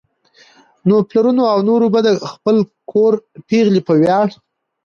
نو پلرونو او نورو به د خپل کور پېغلې په وياړ